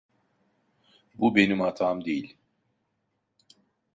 Bu benim hatam değil.